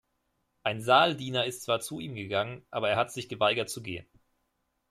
Ein Saaldiener ist zwar zu ihm gegangen, aber er hat sich geweigert zu gehen.